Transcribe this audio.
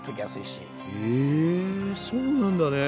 へえそうなんだね。